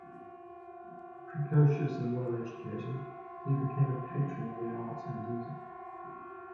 Precocious and well educated, he became a patron of the arts and music.